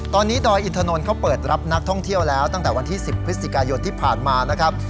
ตอนนี้ดอยอินทนนท์เขาเปิดรับนักท่องเที่ยวแล้วตั้งแต่วันที่๑๐พฤศจิกายนที่ผ่านมานะครับ